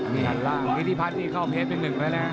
ชั้นล่างนิทธิพัฒน์ที่เข้าเพจเป็นหนึ่งเลยนะ